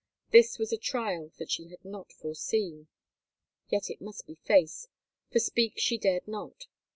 This was a trial that she had not foreseen. Yet it must be faced, for speak she dared not.